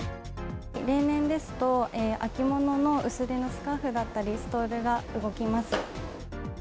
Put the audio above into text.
例年ですと、秋物の薄手のスカーフだったり、ストールが動きます。